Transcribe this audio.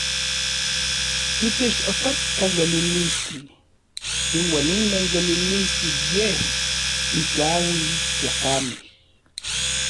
Itech okatka yolilistli, iuan inon yolilistli yej intlauil n tlakamej.